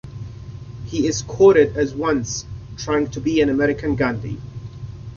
He is quoted as once "trying to be an American Gandhi".